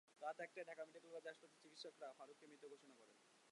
রাত একটায় Dhaka medical college হাসপাতালের চিকিৎসকেরা ফারুককে মৃত ঘোষণা করেন।